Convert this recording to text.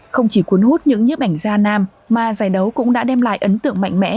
không chỉ cuốn hút những nhiếp ảnh gia nam mà giải đấu cũng đã đem lại ấn tượng mạnh mẽ